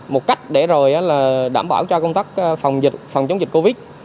một cách để rồi đảm bảo cho công tác phòng dịch phòng chống dịch covid